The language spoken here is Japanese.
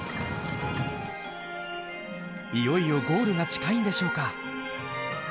いよいよゴールが近いんでしょうか？